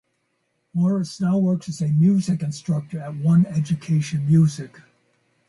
Morris now works as a music instructor at One Education Music.